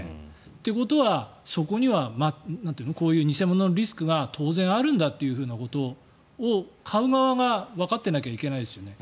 ということは、そこには偽物のリスクが当然あるんだということを買う側がわかっていなきゃいけないですよね。